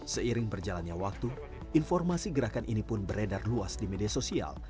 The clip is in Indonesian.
seiring berjalannya waktu informasi gerakan ini pun beredar luas di media sosial